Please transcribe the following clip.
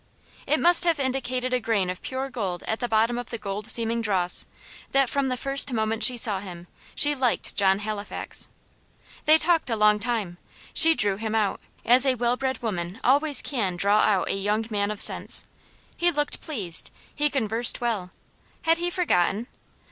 It must have indicated a grain of pure gold at the bottom of the gold seeming dross, that, from the first moment she saw him, she liked John Halifax. They talked a long time. She drew him out, as a well bred woman always can draw out a young man of sense. He looked pleased; he conversed well. Had he forgotten?